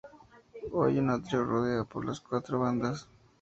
Hoy un atrio rodea por las cuatro bandas.